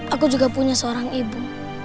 aku juga punya seorang ibu